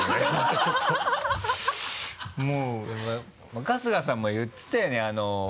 でも春日さんも言ってたよね。